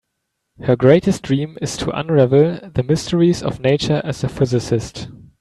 Her greatest dream is to unravel the mysteries of nature as a physicist.